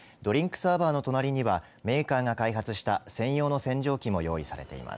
サーバーの隣にはメーカーが開発した専用の洗浄機も用意されています。